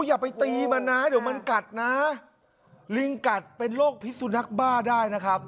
อย่าไปตีมันนะเดี๋ยวมันกัดนะลิงกัดเป็นโรคพิษสุนักบ้าได้นะครับ